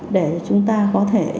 để chúng ta có thể